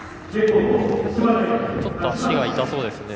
ちょっと足が痛そうですね。